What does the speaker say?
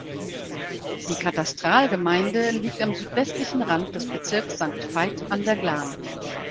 Die Katastralgemeinde liegt am südwestlichen Rand des Bezirks Sankt Veit an der Glan.